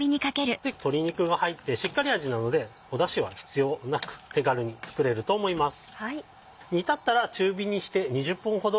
鶏肉が入ってしっかり味なのでだしは必要なく手軽に作れると思います。